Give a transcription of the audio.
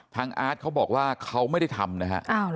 ทางอาร์ทเขาบอกว่าเขาไม่ได้ทำ